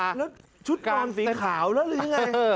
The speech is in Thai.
แล้วชุดนอนสีขาวแล้วหรือยังไง